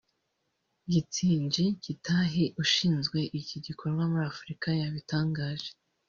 Githinji Gitahi ushinzwe iki gikorwa muri Afurika yabitangaje